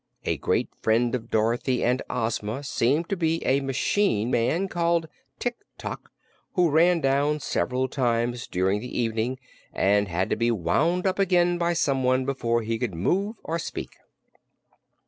A great friend of Dorothy and Ozma seemed to be a machine man called Tik Tok, who ran down several times during the evening and had to be wound up again by someone before he could move or speak.